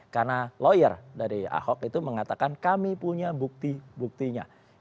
karena lawyer dari ahok itu mengatakan kami punya bukti buktinya